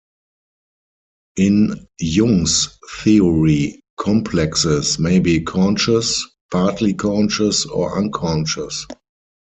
In Jung's theory, complexes may be conscious, partly conscious, or unconscious.